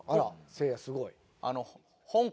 せいやすごい。